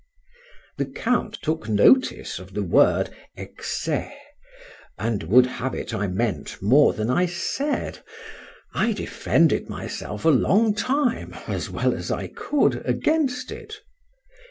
The Count took notice of the word excès; and would have it I meant more than I said. I defended myself a long time as well as I could against it.